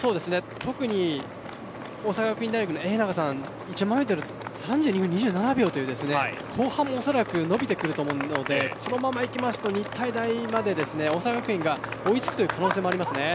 特に大阪学院大学の永長さん１万メートル３２分２７秒という後半もおそらく伸びてくると思うのでこのままいくと日体大まで大阪学院が追い付くという可能性がありますね。